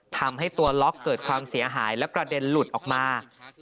ทำให้ตัวล็อกเกิดความเสียหายและกระเด็นหลุดออกมา